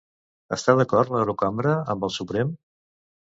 Està d'acord l'Eurocambra amb el Suprem?